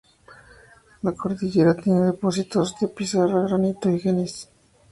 La cordillera tiene depósitos de pizarra, granito y gneis.